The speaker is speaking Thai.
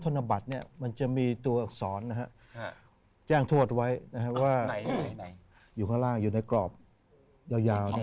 ธนบัตรเนี่ยมันจะมีตัวอักษรนะฮะแจ้งโทษไว้นะฮะว่าอยู่ข้างล่างอยู่ในกรอบยาวยาว